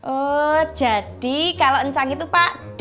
oh jadi kalo encang itu pak d